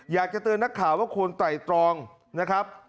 อยากจะเตือนนักข่าวว่าควรไตรตรองนะครับ